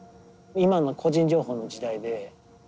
今の個人情報の時代で。